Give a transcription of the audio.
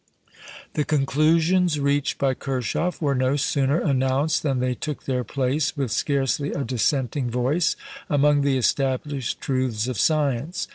The conclusions reached by Kirchhoff were no sooner announced than they took their place, with scarcely a dissenting voice, among the established truths of science.